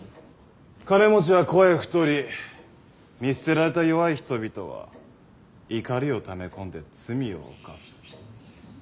金持ちは肥え太り見捨てられた弱い人々は怒りをため込んで罪を犯す。